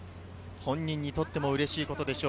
本人にとってもうれしいことでしょう。